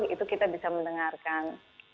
itu kita bisa mendengarkan